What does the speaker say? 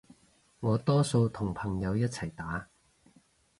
我多數同朋友一齊打